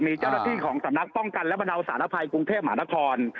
มีเจ้าหน้าที่ของสำนักป้องกันและบรรเทาสารภัยกรุงเทพหมานคร